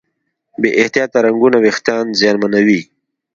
بې احتیاطه رنګونه وېښتيان زیانمنوي.